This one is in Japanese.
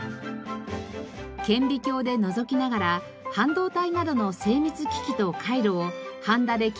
顕微鏡でのぞきながら半導体などの精密機械と回路をはんだで基板に固定する技術。